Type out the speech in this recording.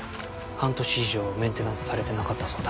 半年以上メンテナンスされてなかったそうだ。